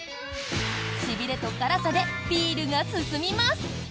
しびれと辛さでビールが進みます。